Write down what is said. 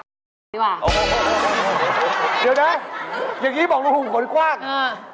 เดี๋ยวนะอย่างนี้บอกลูกผมขนกว้าง